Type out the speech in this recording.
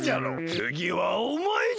つぎはおまえじゃ！